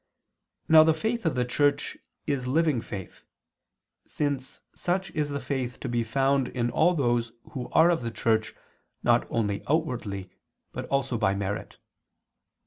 Now the faith of the Church is living faith; since such is the faith to be found in all those who are of the Church not only outwardly but also by merit.